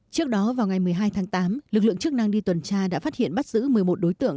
trước đó vào ngày một mươi hai tháng tám lực lượng chức năng đi tuần tra đã phát hiện bắt giữ một mươi một đối tượng